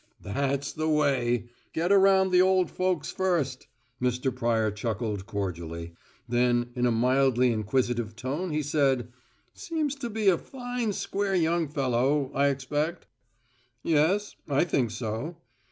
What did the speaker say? "That's the way! Get around the old folks first!" Mr. Pryor chuckled cordially; then in a mildly inquisitive tone he said: "Seems to be a fine, square young fellow, I expect?" "Yes, I think so."